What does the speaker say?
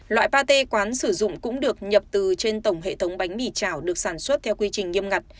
loại pa t quán sử dụng cũng được nhập từ trên tổng hệ thống bánh mì chảo được sản xuất theo quy trình nghiêm ngặt